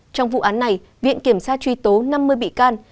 trong vụ án này viện kiểm tra truy tố năm mươi bị can